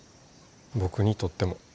僕にとっても。